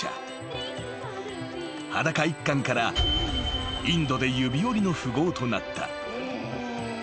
［裸一貫からインドで指折りの富豪となった］